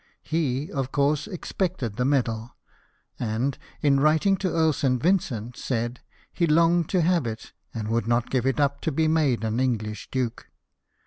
He, of course, expected the medal ; and, in writing to Earl St. Vincent, said :" He longed to have it, and would not give it up to be made an Enghsh duke."